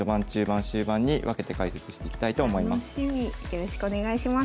よろしくお願いします。